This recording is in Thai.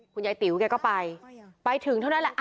ยายติ๋วแกก็ไปไปถึงเท่านั้นแหละ